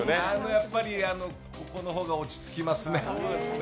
やっぱりここの方が落ち着きますね。